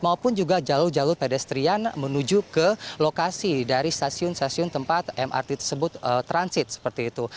maupun juga jalur jalur pedestrian menuju ke lokasi dari stasiun stasiun tempat mrt tersebut transit seperti itu